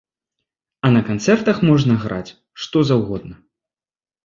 А на канцэртах можна граць, што заўгодна.